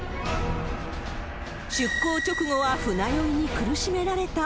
出港直後は船酔いに苦しめられた。